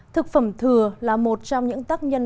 thực phẩm thừa là một trong những tác nhân